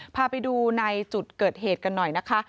พาไปดูในจุดเกิดเหตุกันหน่อยนะคะ